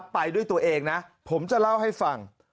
ไปด้วยตัวเองนะผมจะเล่าให้ฟัง